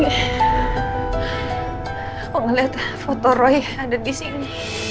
aku ngeliat foto roy ada disini